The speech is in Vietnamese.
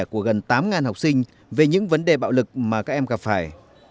của gần tám học sinh về những vấn đề bạo lực mà các em gặp phải